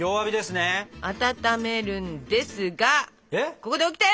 ここでオキテ！